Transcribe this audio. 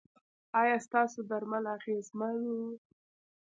ایا ستاسو درمل اغیزمن وو؟